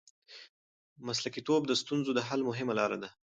مسلکیتوب د ستونزو د حل مهمه لار ده.